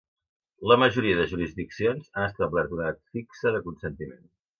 La majoria de jurisdiccions han establert una edat fixa de consentiment.